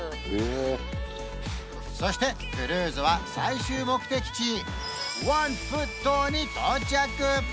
そしてクルーズは最終目的地ワンフット島に到着